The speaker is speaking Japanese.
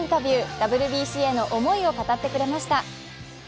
ＷＢＣへの思いを語ってくれました。